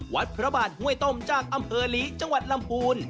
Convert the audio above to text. วัดพระบาทห้วยต้มจากอำเภอหลีจังหวัดลำพูน